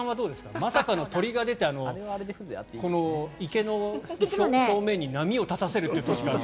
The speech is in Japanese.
まさかの鳥が出て池の表面に波を立たせるという年があって。